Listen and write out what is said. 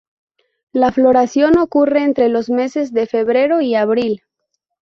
La floración ocurre entre los meses de febrero y abril.